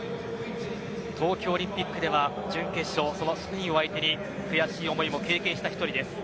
東京オリンピックでは準決勝そのスペインを相手に悔しい思いも経験した１人です。